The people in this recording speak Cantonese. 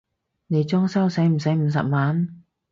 你裝修駛唔駛五十萬？